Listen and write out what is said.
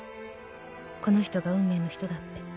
この人が運命の人だって。